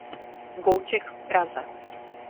Bouček v Praze.